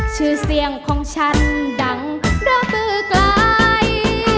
ชื่อเสียงของฉันดังระบือไกล